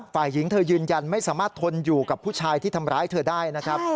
ฝ่ายหญิงเธอยืนยันไม่สามารถทนอยู่กับผู้ชายที่ทำร้ายเธอได้นะครับ